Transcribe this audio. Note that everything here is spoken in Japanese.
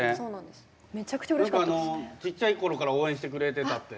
何かあのちっちゃいころから応援してくれてたって。